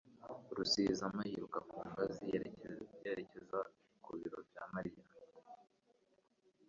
Rusizama yiruka ku ngazi yerekeza ku biro bya Mariya